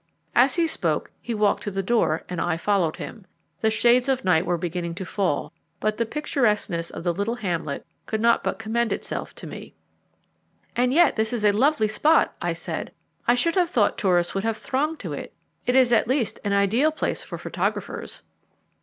As he spoke he walked to the door, and I followed him. The shades of night were beginning to fall, but the picturesqueness of the little hamlet could not but commend itself to me. "And yet it is a lovely spot," I said. "I should have thought tourists would have thronged to it. It is at least an ideal place for photographers."